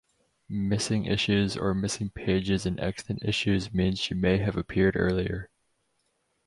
Missing issues or missing pages in extant issues mean she may have appeared earlier.